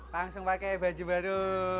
langsung pakai baju baru